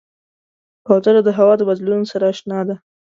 کوتره د هوا د بدلون سره اشنا ده.